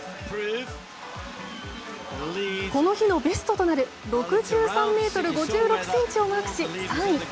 この日のベストとなる６３ｍ５６ｃｍをマークし３位。